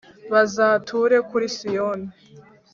Bazature kuri Siyoni.